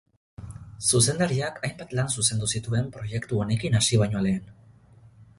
Zuzendariak hainbat lan zuzendu zituen proiektu honekin hasi baino lehen.